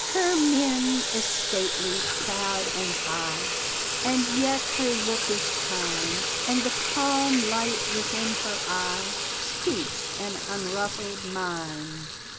Her mien is stately, proud, and high, And yet her look is kind, And the calm light within her eye Speaks an unruffled mind.